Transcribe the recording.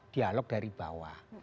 dialog dari bawah